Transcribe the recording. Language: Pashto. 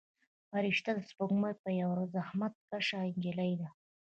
فرشته سپوږمۍ یوه زحمت کشه نجلۍ ده.